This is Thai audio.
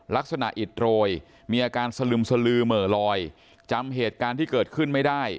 อิดโรยมีอาการสลึมสลือเหม่อลอยจำเหตุการณ์ที่เกิดขึ้นไม่ได้